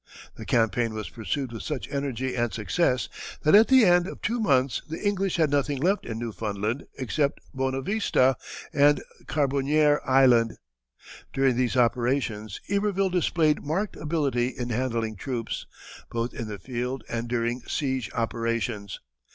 The campaign was pursued with such energy and success that at the end of two months the English had nothing left in Newfoundland except Bona Vista and Carbonniere Island. During these operations Iberville displayed marked ability in handling troops, both in the field and during siege operations.